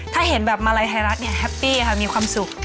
ถ้าเห็นแบบมาลัยไทยรัฐเนี่ยแฮปปี้ค่ะมีความสุข